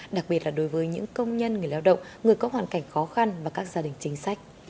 đặc biệt là đối với những công nhân người lao động người có hoàn cảnh khó khăn và các gia đình chính sách